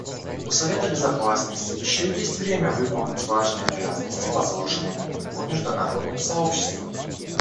У Совета Безопасности еще есть время выполнить важные обязанности, возложенные на него международным сообществом.